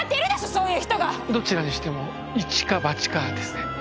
そういう人どちらにしてもイチかバチかですね